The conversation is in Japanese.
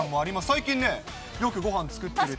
最近、よく、ごはん作ってるって。